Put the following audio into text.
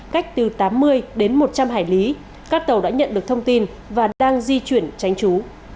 cách từ tám mươi đến một trăm linh hải lý các tàu đã nhận được thông tin và đang di chuyển tránh trú